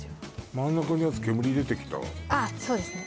真ん中のやつ煙出てきたそうですね